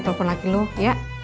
telepon laki lu ya